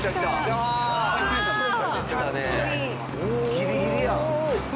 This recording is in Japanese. ギリギリやん。